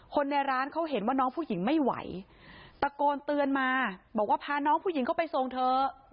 คนในร้านเขาเห็นว่าน้องผู้หญิงไม่ไหวตะโกนเตือนมาบอกว่าพาน้องผู้หญิงเข้าไปส่งเถอะ